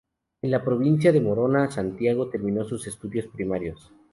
En la provincia de Morona Santiago terminó sus estudios primarios.